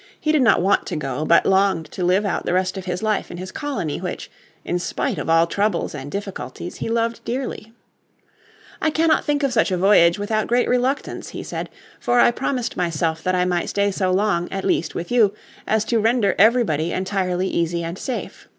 He did not want to go, but longed to live out the rest of his life in his colony which, in spite of all troubles and difficulties, be loved dearly. "I cannot think of such a voyage without great reluctance," he said. "For I promised myself that I might stay so long, at least, with you, as to render everybody entirely easy and safe.